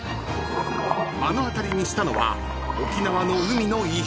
［目の当たりにしたのは沖縄の海の異変］